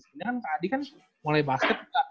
sebenernya kan kak adi kan mulai basket